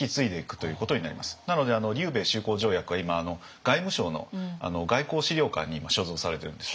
なので琉米修好条約は今外務省の外交史料館に所蔵されてるんです。